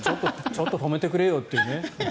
ちょっと止めてくれよって。